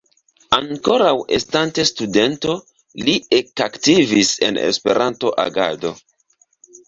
Ankoraŭ estante studento li ekaktivis en Esperanto-agado.